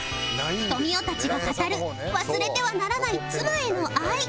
とみおたちが語る忘れてはならない妻への愛